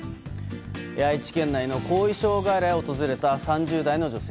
愛知県内の後遺症外来を訪れた３０代の女性。